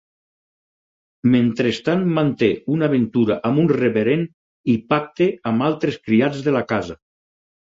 Mentrestant manté una aventura amb un reverend i pacta amb altres criats de la casa.